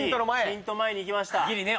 ヒント前にいきました・ギリね